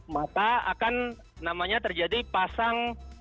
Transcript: maka akan namanya terjadi pasang